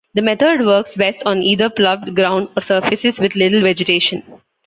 The method works best on either ploughed ground or surfaces with little vegetation.